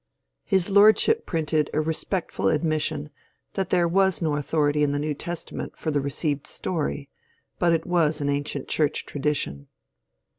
His lordship printed a respect ful admission that there was no authority in the New Testament for the receiTcd story, hut it was an ancient Church tradition.